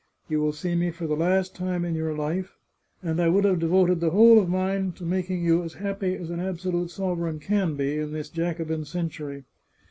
You will see me for the last time in your life — and I would have devoted the whole of mine to making you as happy as an ab solute sovereign can be, in this Jacobin century.